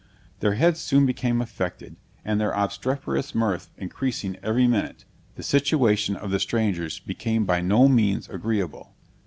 Their heads soon became affected, and their obstreperous mirth increasing every minute, the situation of the strangers became by no means agreeable.